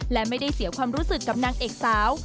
และไม่ได้เสียความรู้สึกกับนางเอกสาว